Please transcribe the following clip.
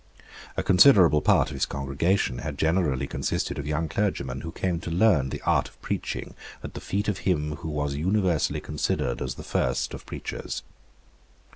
A considerable part of his congregation had generally consisted of young clergymen, who came to learn the art of preaching at the feet of him who was universally considered as the first of preachers.